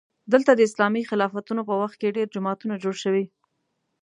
دلته د اسلامي خلافتونو په وخت کې ډېر جوماتونه جوړ شوي.